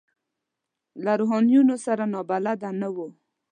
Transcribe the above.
له روحانیونو سره نابلده نه وو.